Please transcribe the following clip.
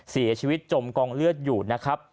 เสียชีวิตจมกองเลือดอยู่นะครับ